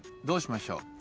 どうしましょう？